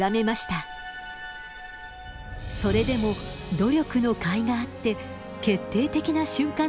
それでも努力のかいがあって決定的な瞬間の撮影に成功しました。